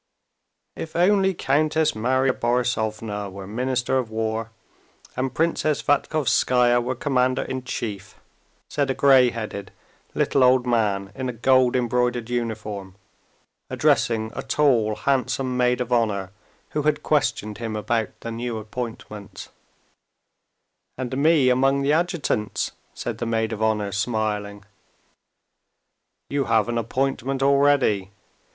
"If only Countess Marya Borissovna were Minister of War, and Princess Vatkovskaya were Commander in Chief," said a gray headed, little old man in a gold embroidered uniform, addressing a tall, handsome maid of honor who had questioned him about the new appointments. "And me among the adjutants," said the maid of honor, smiling. "You have an appointment already.